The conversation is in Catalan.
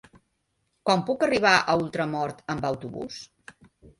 Com puc arribar a Ultramort amb autobús?